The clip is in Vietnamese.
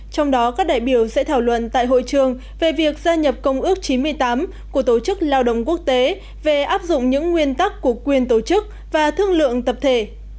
trong đó các đại biểu sẽ thảo luận tại hội trường về việc gia nhập công ước chín mươi tám của tổ chức lao động quốc tế về áp dụng những nguyên tắc của quyền tổ chức và thương lượng tập thể